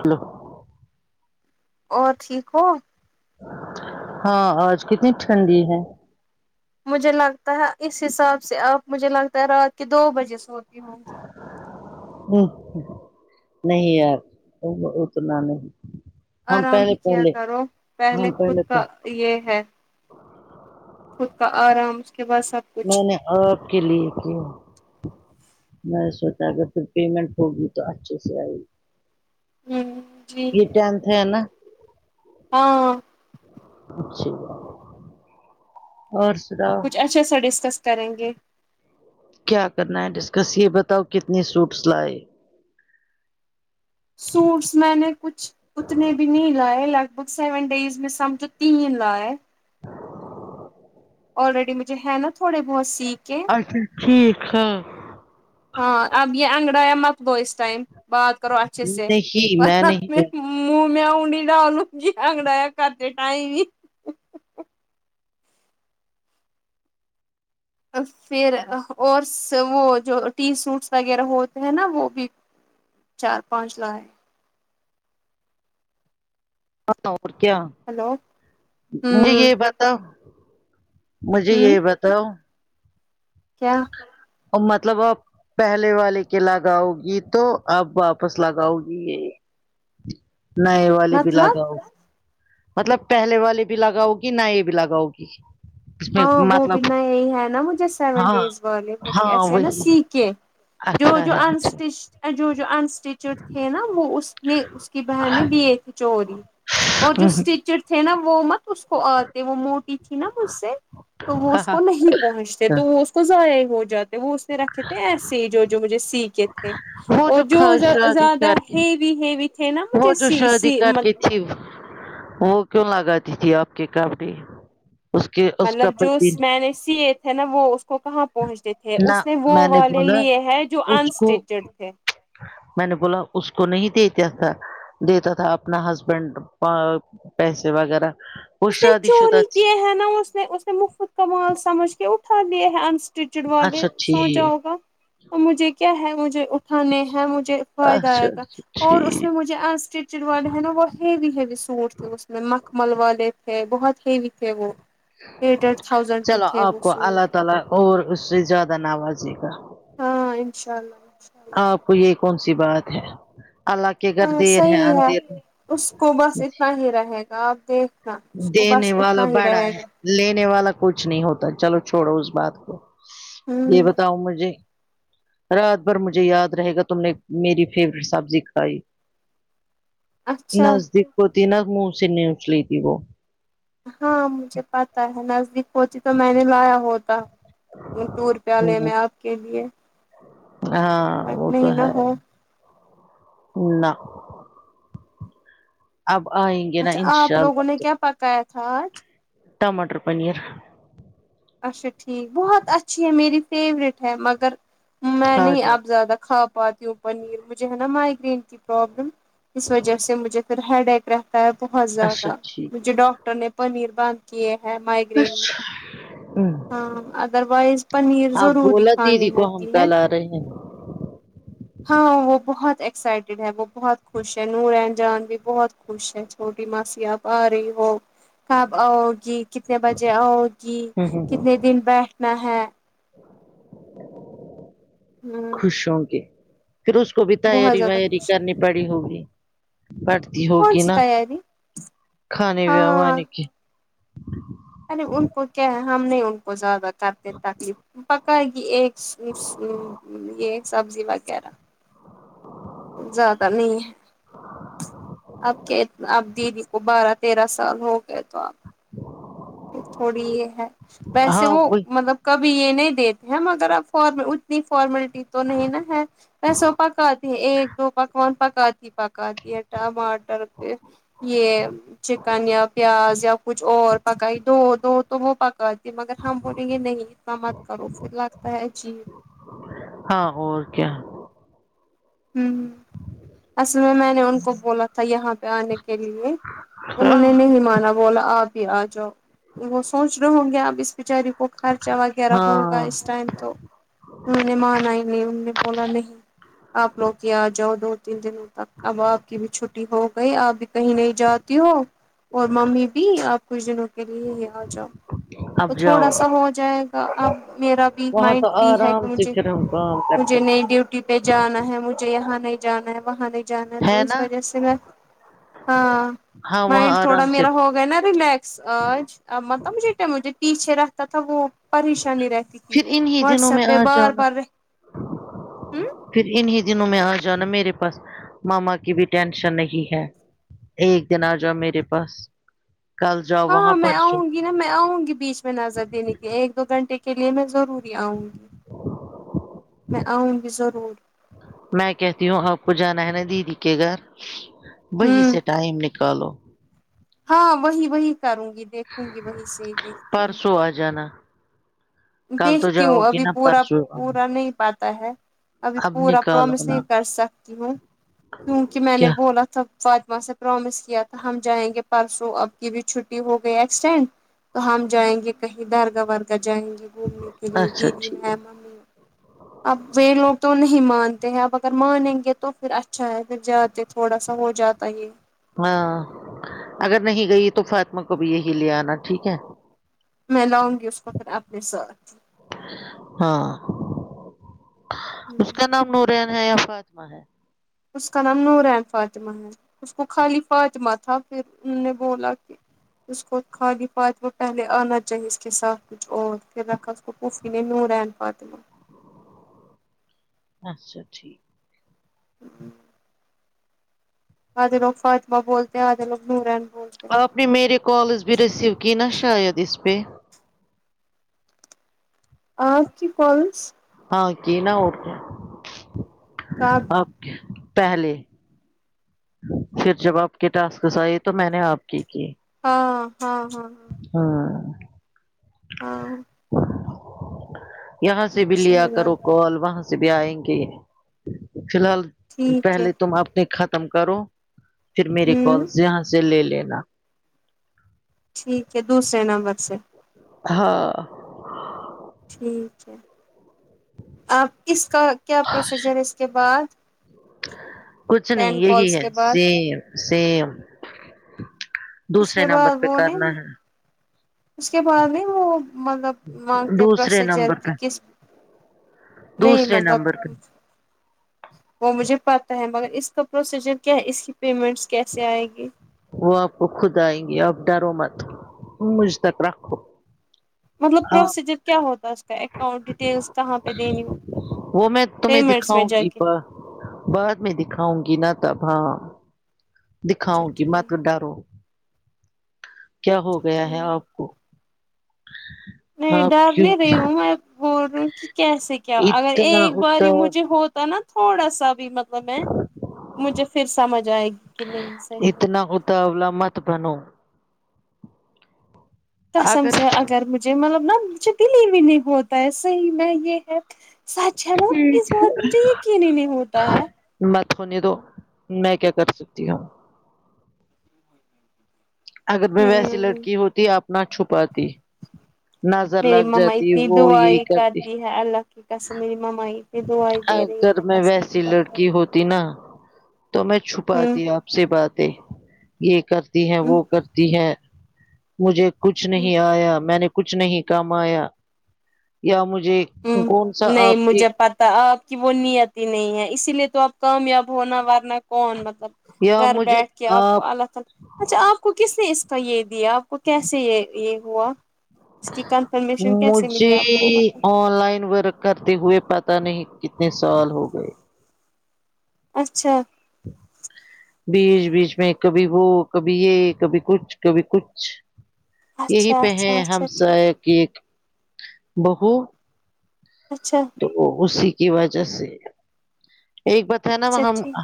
Hello اور ٹھیک ہو ہاں آج کتنی ٹھنڈی ہے مجھے لگتا ہے اس حساب سے آپ مجھے لگتا ہے رات کے دو بجے سوتی ہوں گی ہوں نہیں یار تم اتنا نہیں ہم آرام پہلے بھی کیا پہلے کرو پہلے ہم خود کا پہلے یہ ہے خود کا آرام اس کے بعد سب میں کچھ نے آپ کے لیے کیوں میں سوچا ا گر پھر پیمنٹ ہوگی تو اچھے سے آئے گی ہوں جی یہ ٹنتھ ہے نا ہاں اچ اور س کچھ اچھے سا ڈسکس کریں گے کیا کرنا ہے ڈسکس یہ بتاؤ کتنی سوٹس لائی سوٹس میں نے کچھ اتنے بھی نہیں لائے لگ بگ سیون ڈیز میں سمجھو تین لائے آلریڈی مجھے ہے نا تھوڑی بہت سیکھ اچھا ٹھیک ہے ہاں آب یہ انینگڑایا مت لو اس ٹائم بات کرو اچھیے سے نہیں میں ورنا نہیں منہ میں انگلیاں ڈالوں گی انگڑائیاں کرتے ٹائم پھر اورس وہ جو تین سوٹس وغیرہ ہوتے ہیں نا وہ بھی چار پانچ لاے ہاں تو اور کیا ہلو مجھے ہوں یہ بتاؤ مجھے یہ ہوں بتاؤ کیا کب مطلب اب پہلے والے کے لگاؤ گی تو اپ واپس لگاؤ گی یہ نئے والی بھی مطلب لگاؤ مطلب پہلے والی بھی لگاؤ گی نئے بھی لگاؤ گی اس میں ہاں وہ بھی مطلب نئے ہی ہے نا مجھے سیون ہاں ڈیز والے وہ بھی ہاں ایسے نا وہی سیکے جو اچھا جو ہے ان اچھا اسٹیچ جو جو انس ٹیچ تھے نا وہ اس نے اس کی بہن نے لیے تھے چوری اور جو اسٹیچڈ تھے نا وہ مت اس کو آتے وہ موٹی تھی نا مجھ سے تو وہ اس کو نہیں پہنچتے تو وہ اس کو ضائع ہو جاتے وہ اس نے رکھے تھے ایسے ہی جو جو مجھے سیکے تھے وہ اور جو شادی زیادہ کر کے ہیوی ہیوی تھے نا مجھے سی سی مط جی وہ کیوں لگاتی تھی آپ کے کپڑے اس کے اس کا مطلب جو پتی س میں نے سیے تھے نا وہ اس کو کہاں پہنچتے تھے تھے نہ اس نے وہ میں والے بولا لیے ہیں جو اس کو انسٹیچڈ تھے میں نے بولا اس کو نہیں دے جاتا دیتا تھا اپنا ہسبینڈ پا پیسے وغیرہ وہ اس نے شادی شدہ چوری تھی کیے ہیں نا اس نے اس نے مفت کا مال سمجھ کے اٹھا لیے ہیں انسٹیچڈ والے اچھا سوچا ٹھیک ہوگا مجھے کیا ہے مجھے اٹھانے ہیں مجھے فائدہ اچھا آئے گا اچھا اور اس ٹھیک میں مجھے جو انسٹچڈ والے ہیں نا وہ ہیوی ہیوی سوٹ تھے اس م میں مخمل والے تھے بہت ہیوی تھے وہ ایٹ ایٹ تھاؤزینڈ کے چلو تھے آپ وہ کو اللہ سوٹ تعالی اور اس سے زیادہ نوازے گا ہاں انشاء اللہ انشاء اللہ آپ کو یہ کون سی بات ہے اللہ کے گھر ہاں دیر صحیح ہے اندھیر اس کو بس نہیں اتنا ہی رہے گا آپ دیکھ ہاں اس کو دینے بس والا اتنا ہی بڑا رہے ہے لینے والا کچھ نہیں ہوتا چلو چھوڑو اس بات کو یہ ہوں بتاؤ مجھے رات بھر مجھے یاد رہے گا تم نے میری فیوریٹ سبزی کھائی اچھا نزدیک ہوتی ناں منہ سے نوچ لیتی وہ ہاں مجھے پتا ہے نزدیک ہوتی تو میں نے لایا ہوتا ٹور پیالے میں آپ کے لیے ہاں بٹ وہ تو نہیں نہ ہے ہو نہ اب آئیں گے ناں انشاء اللہ گیا تھا آج ٹمٹر پنیر اچھا ٹھیک بہت اچھی ہے میری فیوریٹ ہے مگر میں نہیں آج اب زیادہ کھا پاتی ہوں پنیر مجھے ہے ناں مائگرین کی پرابلم اس وجہ سے مجھے پھر ہیڈ ایک رہ پت بہت اچھا زیادہ ٹھیک مجھے ڈاکٹر نے پنیر بند کیے ہیں مائگ اچھا ہوں ادر وائز پنیر آپ ضروری بولا کھانی دیدی کو ہم ہوتی ہے کل آ رہے ہیں ہاں وہ بہت ایکسائٹیڈ ہے وہ بہت خوش ہے نورالعین جان بھی بہت خوش ہے چھوٹی ماسی آپ آ رہی ہو کب آؤ گی کتنے بجے آؤ گی ہ ہ کتنے دن بیٹھنا ہے ہ خوش ہوں گی پھر اس کو بھی بہت تیاری زیادہ ویاری خوش کرنی پڑی ہوگی پڑ تی کون ہوگی سی ناں تیاری کھانے ہاں وانے کی ارے ان کو کیا ہے ہم نہیں ان کو زیادہ کرکے تکلیف پکا ہے کہ ایک یہ سبزی وغیرہ زیادہ نہیں ہے آپ کہ آپ دیدی کو بارہ تیرہ سال ہو گئے تو آپ تھوڑی یہ ہے ویسے ہاں وہ وہی مطلب کبھی یہ نہیں دیتے ہیں مگر اب فار اتنی فارملٹی تو نہیں ناں ہے ایسے او پکاتی ہے ایک دو پکوان پکاتی پکاتی ہے ٹماٹر پہ یہ چکن یا پیاز یا کچھ اور پکائی دو دو تو وہ پکا مگر ہم بولیں گے نہیں اتنا مت کرو پھر لگتا ہے عجیب ہاں اور کیا ہوں اصل میں میں نے ان کو بولا تھا یہاں پہ آنے کے لیے انہوں نے ہاں نہیں مانا بولا آپ ہی آ جاؤ وہ سوچ رہے ہوں گے اب اس بچاری کو خرچہ وغیرہ ہوگا اس ٹائم تو انہوں نے مانا ہی نہیں انہوں نے بولا نہیں آپ لوگ ہی آ جاؤ دو تین دنوں تک اب آپ کی بھی چھٹی ہوگئی آپ بھی کہیں نہیں جاتی ہو اور ممی بھی آپ کچھ دنوں کے لیے یہاں آ جاؤ تو اب جاؤ تھوڑا سا ہوجائے گا اب میرا بھی وہاں مائنڈ تو فری ہے کہ آرام سے مجھے پھر ہم کام کر مجھے سکتے نئی ڈیوٹی پہ جانا ہے مجھے یہاں نہیں جانا ہے وہاں نہیں جانا تو ہے اس نا وجہ سے میں ہاں ہاں وہاں مائنڈ تھوڑا آرام سے میرا ہو گیا ناں ریلیکس آج ا مطلب مجھے ٹھیک ہے تھی سیرپ تھا وہ پریشانی رہتی تھی پھر انیں واٹس دنوں میں ایپ پہ آ بار جانا بار رہ ہوں پھر انیں دنوں میں آ جانا میرے پاس مما کی بھی ٹینشن نہیں ہے ایک دن آ جاؤ میرے پاس کل جاؤ ہاں وہاں میں پرسوں آؤں گی نا میں آؤں گی بیچ میں نظر دینے کے لیے ایک دو گھنٹے کے لیے میں ضروری آؤں گی میں آؤں گی ضرور میں کہتی ہوں آپ کو جانا ہے نا دیدی کے گھر وہی ہوں سے ٹائم ن کالو ہاں وہی وہی کروں گی دیکھوں گی وہی سے ہی دیکھتی ہوں تو آ جانا کل تو دیکھتی جاؤ ہوں گی ابھی نا پورا پرسوں آنا۔ پورا نہیں پتا ہے ابھی اب پورا نکالو پرومیس نہیں نا کر سکتی ہوں کیونکہ میں نے کیا بولا تھا فاطمہ سے پرامیس کیا تھا ہم جائیں گے پرسوں اب کی بھی چھٹی ہو گئی ایکسٹینڈ تو ہم جائیں گے کہیں درگاہ ورگاہ جائیں گے گھومنے کے لیے اچھا دیدی ٹھیک ہے ممی اب وہ لوگ تو نہیں مانتے ہیں اب اگر مانیں گے تو پھر اچھا ہے پھر جاتے تھوڑا سا ہو جاتا یہ ہاں اگر نہیں گئی تو فاطمہ کو بھی یہیں لے آنا ٹھیک ہے میں لاؤنگی اسکو پھر اپنے ساتھ ہاں اس کا نام نور بن ہے یا فاطمہ ہے اس کا نام نورین فاطمہ ہے اس کو خالی فاطمہ تھا پھر انھوں نے بولا کہ اس کو خالی فاطمہ پہلے آنا چاہے اس کے ساتھ کچھ اور پھر رکھا اس کو پھوفی نے نورین فاطمہ اچھا ٹھیک آدھے لوگ فاطمہ بولتے ہیں آدھے لوگ نورین بولتے ہیں اب آپ نے میرے کالز بھی ریسیو کی نا شاید اس پہ آپ کی کالس ہاں کی نہ وہ کا آپ کی پہلے پھر جب آپ کے ٹاسکس آئے تو میں نے آپ کے کئے ہاں ہاں ہاں ہاں ہاں یہاں سے بھی لیا صحیح کرو بات ہے کال وہاں سے بھی آئیں گے فی الحال ٹھیک ہے پہلے تم اپنے ختم کرو پھر میری ہوں کالس یہاں سے لے لینا ٹھیک ہے دوسرے نمبر سے ہاں ٹھیک ہے اب اس کا کیا پروسیجر ہے اس کے بعد کچھ نہیں ٹین یہی کالس ہے کے بعد سیم سیم اس دوسرے کے نمبر بعد پہ وہ نہیں کرنا ہے اس کے بعد نہیں وہ مطلب مانگتے دوسرے پروسیجر نمبر کہ پہ کس نہیں دوسرے مطلب نمبر پہ وہ مجھے پتہ ہے مگر اس کا پروسیجر کیا ہے اس کی پیمنٹس کیسے آئے گی وہ آپ کو خود آئیں گی آپ ڈرو مت مجھ تک رکھو مطلب ہاں پرسییجر کیا ہو تا اسکا اکاؤنٹ ڈیٹیلس تواں پہ دینی ہوتی ہے پیمنٹس میں جا کے بد میں دکھاؤں گی نہ ت اب ہاں اچھا دکھاؤں گی مت ٹھیک کو ڈرو کیا ہو اچھا گیا ہے ٹھیک آپ کو نہیں آپ ڈر کیوں نہیں رہی ہوں میں بول رہی ہوں کہ کیسے کیا اگر اتنا ایک بار اتا مجھے ہوتا نا تھوڑا سا بھی مطلب وہ میں مجھے پھر سمجھ آئے گی کہ نہیں صحیح تول مت بنو قسم سے اگر مجھے مطلب نہ مجھے دلی بھی نہیں ہوتا ہے صحیح میں یہ ہے سچ ہے مطلب اس بات مجھے یقین نہیں ہی نہیں ہوتا ہے مت ہونے دو میں کیا کر سکتی ہوں اگر میں ویسی ہوں لڑکی ہوتی آپ نہ چھپاتی نظر میری لگ مما جاتی استنی وہ یہ دعائے کرتی ہے اللہ کہ قسم میری مما دعایے دے رہی اگر ہے میں قسم ویسی خدا کی لڑکی ہوتی نا تو میں ہوں چھپاتی آپ سے باتیں یہ کرتی ہیں وہ کرتی ہے مجھے کچھ ہوں نہیں آیا میں نے کچھ نہیں کمایا یا مجھے ہمم کون سا نہیں آپ کی مجھے پتا آپ کی وہ نیت ہی نہیں ہے اسی لیے تو آپ کامیاب ہونا وارنا کون یا گھر مجھے بیٹھ کے آپ کو اللہ تعالی اچھا آپ کو کس نے اس کا یہ دیا آپ کو کیسے یہ یہ ہوا اس کی کنفرمیشن کیسے ملی مجھے آپ کو مطلب آن لائن ورک کرتے ہوئے پتا نہیں کتنے سال ہو گئے اچھا بیچ بیچ میں کبھی وہ کبھی یہ کبھی کچھ کبھی کچھ یہی اچھا پہ اچھا ہیں ہم اچھا ٹھیک سب ایک بہو اچھا وہ اسی کی وجہ سے ایک بات ہے نا وہ اچھا ہم ٹھیک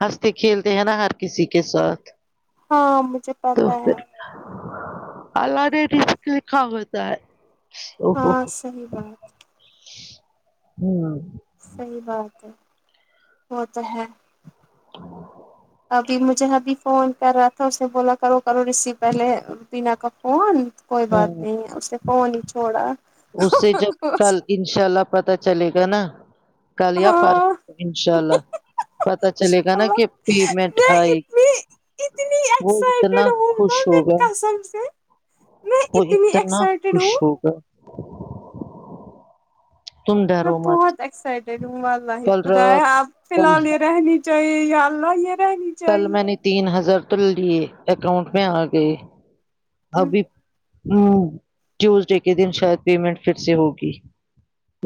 ہنستے کھیلتے ہیں نا ہر کسی کے ساتھ ہاں مجھے تو پتا ہے پھر اللہ نے ڈ کے لکھا ہوتا ہے وھو ہاں ہمم صحیح بات صحیح بات ہے وہ تو ہے ابھی مجھے ابھی فون کر رہا تھا اسے بولا کرو کرو ریسیو پہلے بینا کا فون کوئی بات ہوں نہیں ہے اس نے فر نہیں چھوڑا اس سے جب کل انشاء اللہ پتہ چلے گا نا کل یا پر ہاں انشاء اللہ پتا چلے گا نا اللہ کہ پیمنٹ میں آئے اتنی اتنی وہ اتنا خوش ہوگیا سب سے میں وہ اتنی اتنا ایکسائٹیڈ خوش ہوں ہوگا تم میں ڈرو مت بہت ایکسائٹیڈ ہوںلہ کل خدا ہے رات آپ فی کل الحال یہ رہنی چاہے یہ آللہ ہی یہ رہہنی کل میں نے تین ہزار تو لیے اکاؤنٹ میں آ گئے ابھی وں ٹیوزڈے کے دن شاید پیمنٹ پھر سے ہوگی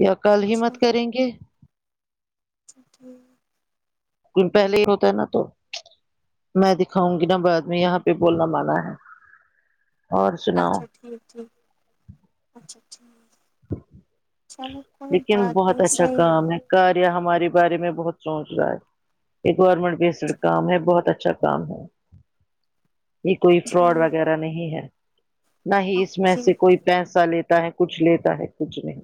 یا کل ہی مت کریں گے اچھا ٹھیک یہ پہلے ہی ہوتا ہے نا تو میں دکھاؤں گی نا بعد میں یہاں پہ بولنا منع ہے اور سناؤ اچھا ٹھیک اچھا ٹھیک ٹھیک اچھا ٹھیک چلو کوئی لیکن بات بہت نہیں اچھا صحیح کام ہے کاریا ہمارے بارے میں بہت سوچ رہا ہے یہ گورنمنٹ بیسڈ کام ہے بہت اچھا کام ہے یہ کوئی فراڈ ٹھیک وغیرہ نہیں ہے نہ ہی اس میں اوکے سے کوئی پیسہ لیتا ہے کچھ لیتا ہے کچھ نہیں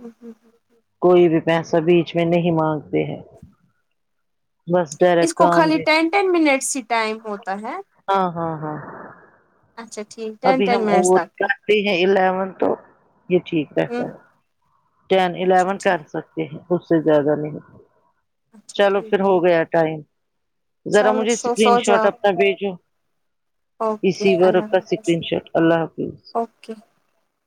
ہوں ہوں ہوں کوئی بھی پیسہ بیچ میں نہیں مانگتے ہیں بس اس ڈائریکٹ کو کام خالی دے ٹین ٹین منٹس ہی ٹائم ہوتا ہے ہاں ہاں ہاں اچا ٹھیک ٹن ٹن منٹس تک ف ہیں الیون تو یہ ٹھیک رہہتا ہوں ہے ٹین اچھا الیون ٹھیک کر سکتے ہیں اس سے زیادہ نہیں اچھا چلو پھر ٹھیک ہو ٹھیک گیا ٹھیک ٹائم ذرا چلو مجھے سو اسکرین سو شاٹ جاؤ اپنا بھیجو اوکے اسی گروپ پر اسکرین شارٹ اللہ حافظ کیا